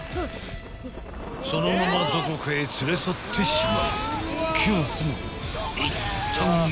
［そのままどこかへ連れ去ってしまう］